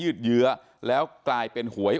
อันนี้แม่งอียางเนี่ย